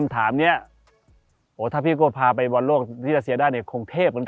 แต่ถ้าไม่เริ่มเลย